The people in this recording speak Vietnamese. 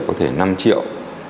có thể năm triệu